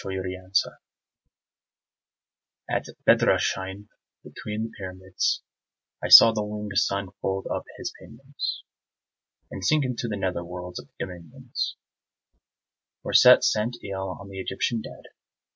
IMMORTAL FOES At Bedrashein between the pyramids I saw the wingèd sun fold up his pinions And sink into the nether world's dominions Where Set sent ill on the Egyptian dead.